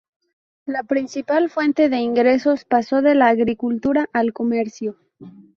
La principal fuente de ingresos pasó de la agricultura al comercio.